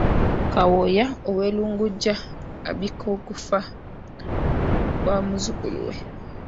Kawooya ow'e Lungujja abika okufa kwa muzzukulu we